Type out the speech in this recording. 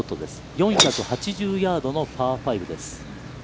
４８０ヤードのパー５です。